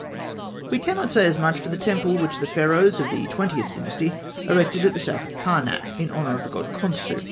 ] We cannot say as much for the temple which the Pharaohs of the Twentieth Dynasty erected to the south of Karnak, in honour of the god Khonsû (fig.